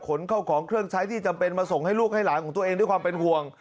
เข้าของเครื่องใช้ที่จำเป็นมาส่งให้ลูกให้หลานของตัวเองด้วยความเป็นห่วง